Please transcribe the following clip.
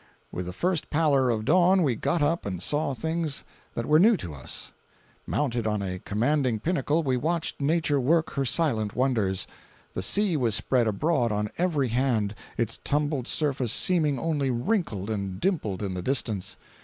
With the first pallor of dawn we got up and saw things that were new to us. Mounted on a commanding pinnacle, we watched Nature work her silent wonders. The sea was spread abroad on every hand, its tumbled surface seeming only wrinkled and dimpled in the distance.